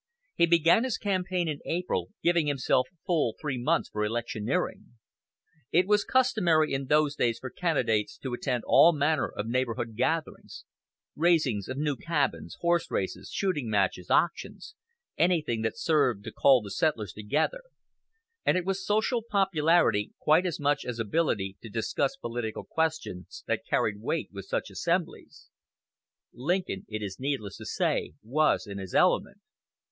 He began his campaign in April, giving himself full three months for electioneering. It was customary in those days for candidates to attend all manner of neighborhood gatherings "raisings" of new cabins, horseraces, shooting matches, auctions anything that served to call the settlers together; and it was social popularity, quite as much as ability to discuss political questions, that carried weight with such assemblies. Lincoln, it is needless to say, was in his element.